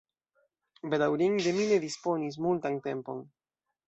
Bedaŭrinde, mi ne disponis multan tempon.